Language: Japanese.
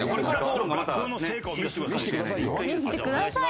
「学校の成果を見せてくださいよ」。